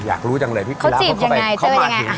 อยากรู้จังเลยพี่พิลาพเข้ามาที